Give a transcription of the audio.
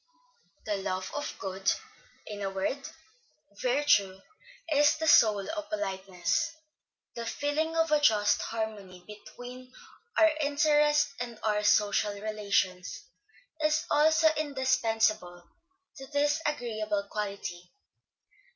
The love of good, in a word, virtue, is then the soul of politeness; the feeling of a just harmony between our interest and our social relations, is also indispensable to this agreeable quality.